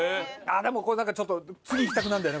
でもこれなんかちょっと次いきたくなるんだよね。